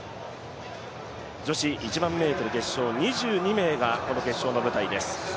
女子１００００ｍ決勝、２２名がこの決勝の舞台です。